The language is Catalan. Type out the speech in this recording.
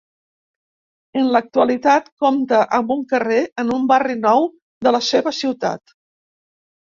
En l'actualitat compta amb un carrer en un barri nou de la seva ciutat.